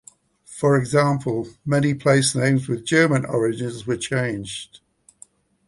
For example, many placenames with German origins were changed.